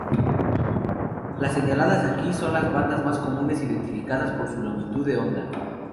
Las señaladas aquí son las bandas más comunes, identificadas por su longitud de onda.